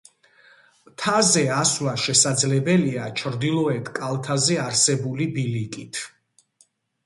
მთაზე ასვლა შესაძლებელია ჩრდილოეთ კალთაზე არსებული ბილიკით.